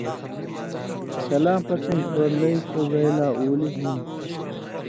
تَلاں پتَیں سُوَرلی سو زئ لا اُلی ہُوندیۡ